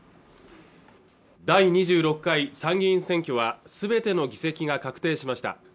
第２６回参議院選挙はすべての議席が確定しました